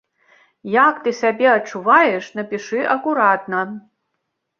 Як ты сябе адчуваеш, напішы акуратна.